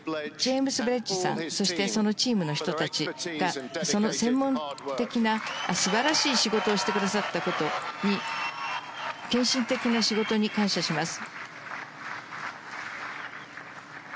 そして、チームの人たちが専門的な素晴らしい仕事をしてくださったことに献身的な仕事に感謝します。